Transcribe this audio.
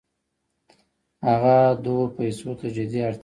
هغه دغو پیسو ته جدي اړتیا پیدا کوي